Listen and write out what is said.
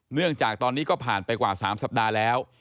เนื่องจากตอนนี้ก็ผ่านไปกว่า๓สัปดาห์แล้ว